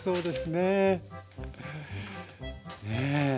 ねえ。